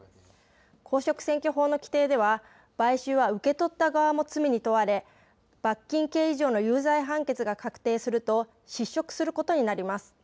公職選挙法の規定では買収は受け取った側も罪に問われ罰金刑以上の有罪判決が確定すると失職することになります。